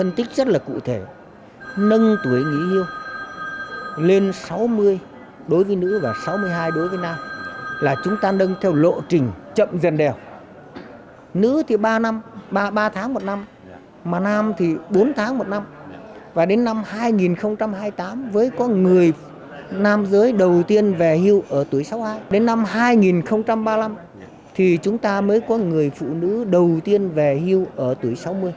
năm hai nghìn ba mươi năm thì chúng ta mới có người phụ nữ đầu tiên về hưu ở tuổi sáu mươi